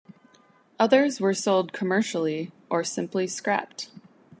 Others were sold commercially or simply scrapped.